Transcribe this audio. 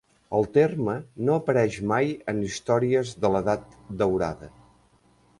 El terme no apareix mai en històries de l'Edat daurada.